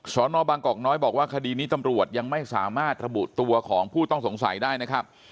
นบางกอกน้อยบอกว่าคดีนี้ตำรวจยังไม่สามารถระบุตัวของผู้ต้องสงสัยได้นะครับ